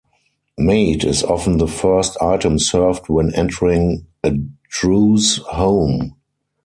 Mate is often the first item served when entering a Druze home.